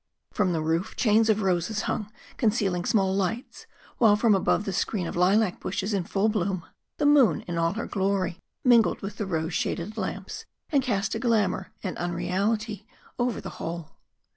From the roof chains of roses hung, concealing small lights while from above the screen of lilac bushes in full bloom the moon in all her glory mingled with the rose shaded lamps and cast a glamour and unreality over the whole.